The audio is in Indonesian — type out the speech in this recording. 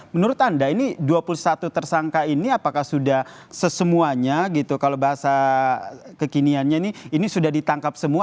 menurut anda ini dua puluh satu tersangka ini apakah sudah sesemuanya gitu kalau bahasa kekiniannya ini sudah ditangkap semua